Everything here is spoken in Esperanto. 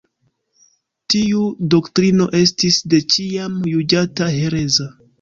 Tiu doktrino estis de ĉiam juĝata hereza.